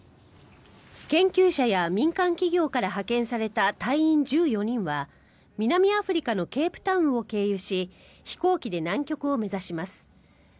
研究者や民間企業から派遣された隊員１４人は南アフリカのケープタウンを経由し飛行機で南極を目指します。